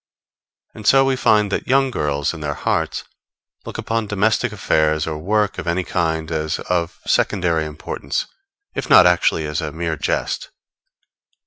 And so we find that young girls, in their hearts, look upon domestic affairs or work of any kind as of secondary importance, if not actually as a mere jest.